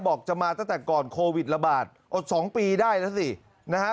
บอกจะมาตั้งแต่ก่อนโควิดระบาดอด๒ปีได้แล้วสินะฮะ